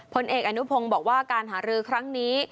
ผลเอกอนุพงศ์บอกว่าการหารือครั้งนี้